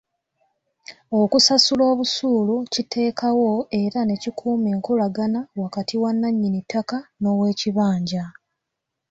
Okusasula obusuulu kiteekawo era ne kikuuma enkolagana wakati wa nnannyini ttaka n'ow'ekibanja.